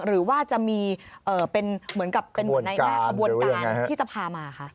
หรือว่าจะมีเหมือนกับขบวนการที่จะพามาคะ